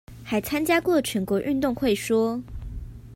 還參加過全國運動會說